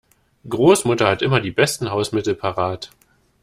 Großmutter hat immer die besten Hausmittel parat.